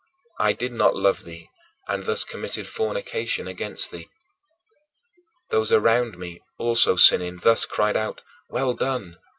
I did not love thee, and thus committed fornication against thee. Those around me, also sinning, thus cried out: "Well done!